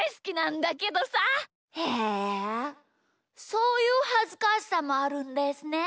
そういうはずかしさもあるんですね。